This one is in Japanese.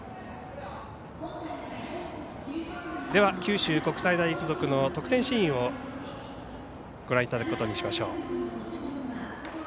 では、九州国際大付属の得点シーンをご覧いただくことにしましょう。